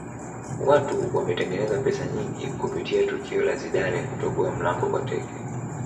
watu wametengeneza pesa nyingi kupitia tukio la zidane kutoboa mlango kwa teke